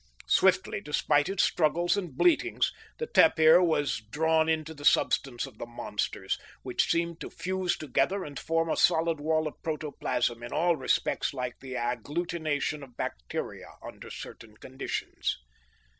Swiftly, despite its struggles and bleatings, the tapir was drawn into the substance of the monsters, which seemed to fuse together and form a solid wall of protoplasm in all respects like the agglutination of bacteria under certain conditions.